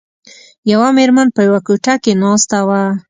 یوه میرمن په یوه کوټه کې ناسته وه.